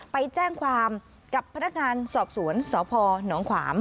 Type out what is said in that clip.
ไปแจ้งความกับพนักงานสอบสวนสพนขวาม